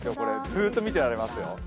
ずーっと見ていられますよ。